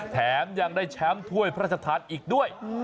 แถมยังได้แช้งถ้วยพระสัตว์ธานอีกด้วย